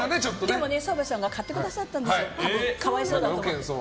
でも、澤部さんが買ってくださったんです可哀想だと思って。